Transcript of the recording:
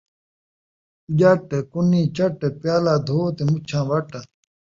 ڄٹ کُنیں چٹ ، پیالہ دھو تے مُچھاں وٹ